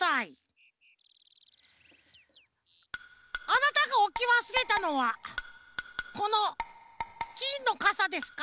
あなたがおきわすれたのはこのきんのかさですか？